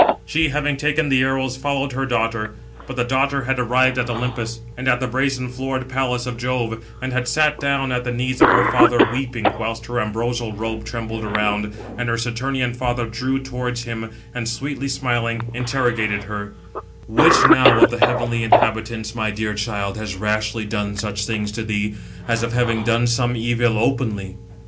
She, having taken the arrows, followed her daughter. But the daughter had arrived at Olympus, and at the brazen floored palace of Jove, and had sat down at the knees of her father, weeping, whilst her ambrosial robe trembled around; and her the Saturnian father drew towards him, and, sweetly smiling, interrogated her: "Which now of the heavenly inhabitants, my dear child, has rashly done such things to thee, as if having done some evil openly?"